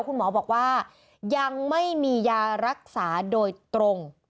คุณหมอบอกว่ายังไม่มียารักษาโดยตรง